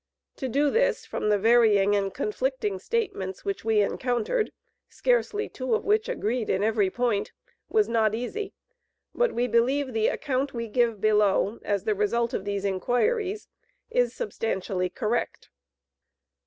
To do this, from the varying and conflicting statements which we encountered, scarcely two of which agreed in every point, was not easy; but we believe the account we give below, as the result of these inquiries, is substantially correct.